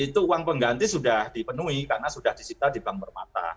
itu uang pengganti sudah dipenuhi karena sudah disita di bank permata